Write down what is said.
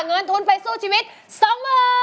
เงินทุนไปสู้ชีวิตสองหมื่น